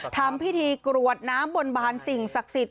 ทำพิธีกรวดน้ำบนบานสิ่งศักดิ์สิทธิ